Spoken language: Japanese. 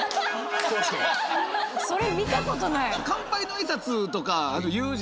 それ見たことない。